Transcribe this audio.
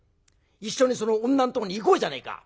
一緒にその女のとこに行こうじゃねえか！